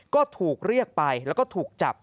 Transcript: ก็ถูกเรียกไปแล้วก็ถูกจับ